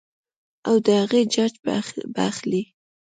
او د هغې جاج به اخلي -